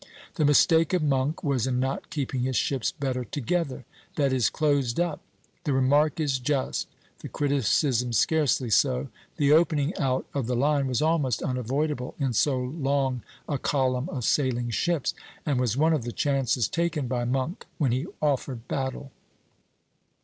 The mistake of Monk was in not keeping his ships better together;" that is, closed up. The remark is just, the criticism scarcely so; the opening out of the line was almost unavoidable in so long a column of sailing ships, and was one of the chances taken by Monk when he offered battle.